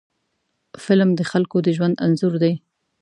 فلم د خلکو د ژوند انځور دی